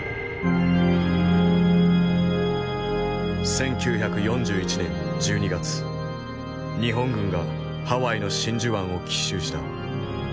１９４１年１２月日本軍がハワイの真珠湾を奇襲した。